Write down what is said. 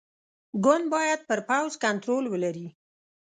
ګوند باید پر پوځ کنټرول ولري.